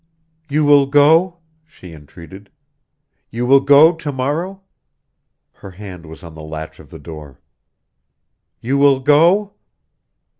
"You will go?" she entreated. "You will go to morrow?" Her hand was on the latch of the door. "You will go?"